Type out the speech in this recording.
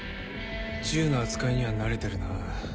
銃の扱いには慣れてるな。